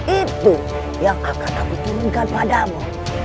itu yang akan aku turunkan padamu